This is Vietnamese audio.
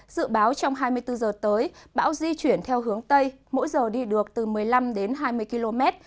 dự báo trong hai mươi bốn h tới bão di chuyển theo hướng tây mỗi giờ đi được từ một mươi năm đến hai mươi km